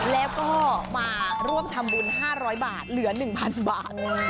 แล้วก็มาร่วมทำบุญ๕๐๐บาทเหลือ๑๐๐๐บาท